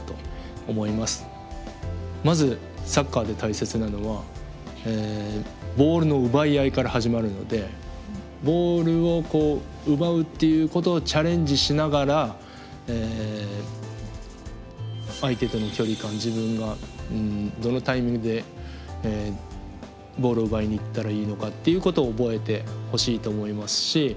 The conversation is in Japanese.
まずサッカーで大切なのはボールの奪い合いから始まるのでボールを奪うっていうことをチャレンジしながら相手との距離感自分がどのタイミングでボールを奪いにいったらいいのかっていうことを覚えてほしいと思いますし。